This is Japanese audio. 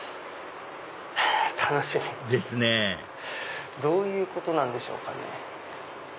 楽しみ！ですねぇどういうことなんでしょうかね？